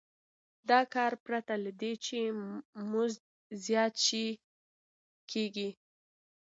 دا کار پرته له دې چې مزد زیات شي کېږي